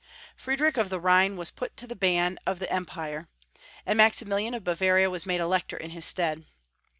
Friedrich of the Rhine was put to the ban of th^ Empu'e, and Maximilian of Bavaria was made Elector in his stead.